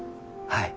はい。